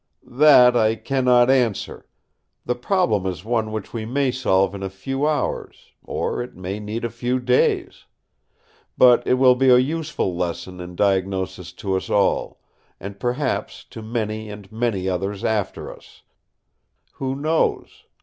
"That I cannot answer. The problem is one which we may solve in a few hours; or it may need a few days. But it will be a useful lesson in diagnosis to us all; and perhaps to many and many others after us, who knows!"